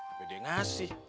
apa dia ngasih